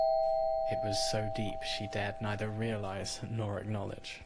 It was so deep she dared neither realise nor acknowledge.